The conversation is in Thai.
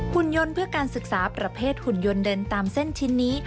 หุ่นยนต์เพื่อการศึกษาประเภทหุ่นยนต์เดินตามเส้นชิ้นนี้